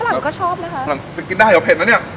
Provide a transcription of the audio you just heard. ฝรั่งก็ชอบนะคะฝรั่งกินได้เหรอเผ็ดแล้วเนี้ย